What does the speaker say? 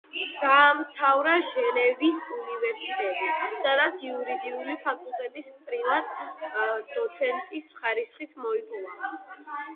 დაამთავრა ჟენევის უნივერსიტეტი, სადაც იურიდიული ფაკულტეტის პრივატ-დოცენტის ხარისხიც მოიპოვა.